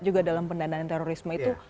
juga dalam pendanaan terorisme itu